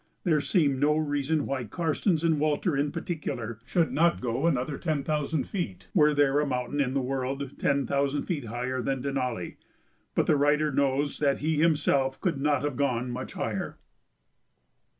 There seemed no reason why Karstens and Walter in particular should not go another ten thousand feet, were there a mountain in the world ten thousand feet higher than Denali, but the writer knows that he himself could not have gone much higher.